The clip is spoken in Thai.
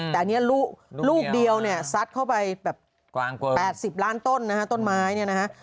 แต่อันนี้ลูกเดียวเนี่ยซัดเข้าไปแบบ๘๐ล้านต้นนะฮะต้นไม้เนี่ยนะฮะ